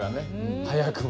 早くも。